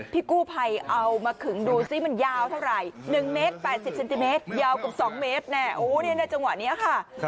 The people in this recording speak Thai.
พี่กู้ภัยเอามาขึงดูสิมันยาวเท่าไหร่๑เมตร๘๐เซนติเมตรยาวเกือบ๒เมตรแน่โอ้นี่ในจังหวะนี้ค่ะ